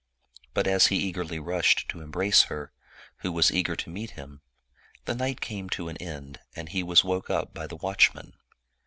But as he eagerly rushed to embrace her, who was eager to meet him, the night came to an end, and he was woke up by the watchman.